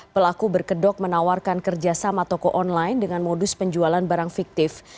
pelaku berkedok menawarkan kerjasama toko online dengan modus penjualan barang fiktif